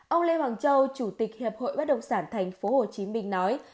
ông lê hoàng châu chủ tịch hiệp hội bất động sản tp hcm nói